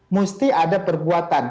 mesti ada perbuatan